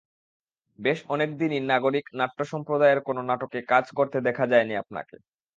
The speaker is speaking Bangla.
বেশ অনেক দিনই নাগরিক নাট্যসম্প্রদায়ের কোনো নাটকে কাজ করতে দেখা যায়নি আপনাকে।